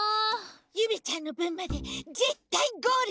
ゆめちゃんのぶんまでぜったいゴールするから。